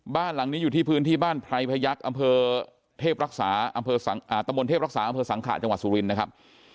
บ้านหลังนี้อยู่ที่พื้นที่บ้านไพรพยักษ์ตมเทพรักษาแห่งอำเภอสังขาดจังหวัดสุรินทร์นะครับ